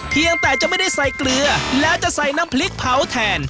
เพียงแต่จะไม่ได้ใส่เกลือแล้วจะใส่น้ำพริกเผาแทน